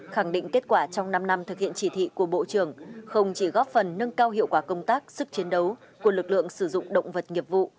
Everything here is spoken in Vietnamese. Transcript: khẳng định kết quả trong năm năm thực hiện chỉ thị của bộ trưởng không chỉ góp phần nâng cao hiệu quả công tác sức chiến đấu của lực lượng sử dụng động vật nghiệp vụ